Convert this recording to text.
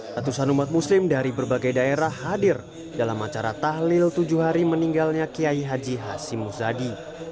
ratusan umat muslim dari berbagai daerah hadir dalam acara tahlil tujuh hari meninggalnya kiai haji hashim muzadi